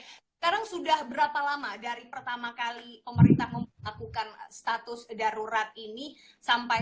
sekarang sudah berapa lama dari pertama kali pemerintah melakukan status darurat ini sampai